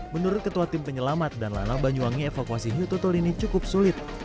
menurut ketua tim penyelamat dan lanang banyuwangi evakuasi new tutul ini cukup sulit